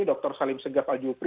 dr salim segap aljufri